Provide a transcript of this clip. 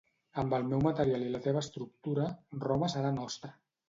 Amb el meu material i la teva estructura, Roma serà nostra.